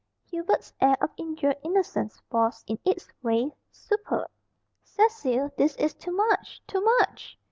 Hubert's air of injured innocence was, in its way, superb. "Cecil, this is too much; too much!